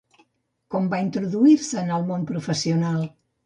Com va introduir-se en el món professional?